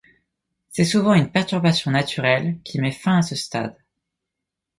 C'est souvent une perturbation naturelle qui met fin à ce stade.